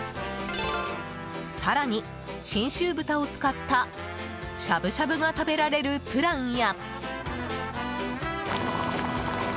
更に、信州豚を使ったしゃぶしゃぶが食べられるプランや。